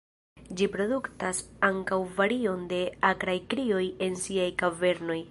Ĝi produktas ankaŭ varion de akraj krioj en siaj kavernoj.